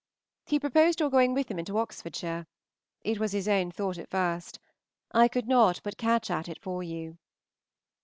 He proposed your going with him into Oxfordshire. It was his own thought at first. I could not but catch at it for you.